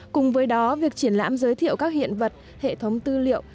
cùng với đó việc triển lãm giới thiệu các hiện vật hệ thống tư liệu